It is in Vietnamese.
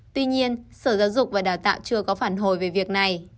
tuy nhiên sở giáo dục và đào tạo chưa có phản hồi về việc này